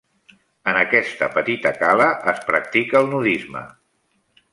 En aquesta petita cala es practica el nudisme.